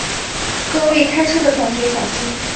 各位开车的同学小心